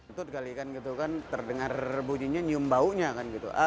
itu digali kan gitu kan terdengar bunyinya nyium baunya kan gitu